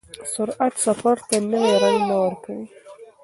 سرعت سفر ته نوی رنګ نه ورکوي.